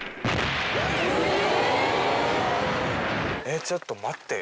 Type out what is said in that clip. えっちょっと待って。